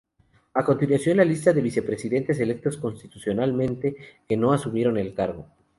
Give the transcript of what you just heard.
A continuación la lista de vicepresidentes electos constitucionalmente que no asumieron el cargo.